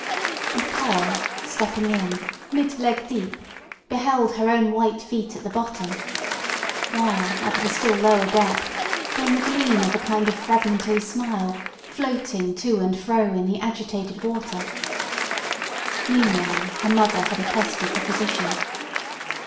And Pearl, stepping in mid leg deep, beheld her own white feet at the bottom; while, out of a still lower depth, came the gleam of a kind of fragmentary smile, floating to and fro in the agitated water. Meanwhile her mother had accosted the physician.